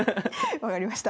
分かりました。